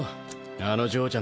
あの嬢ちゃん